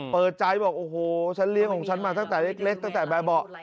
เปิดใจบอกโอ้โหฉันเลี้ยงของฉันมาตั้งแต่เล็กตั้งแต่แบบเบาะ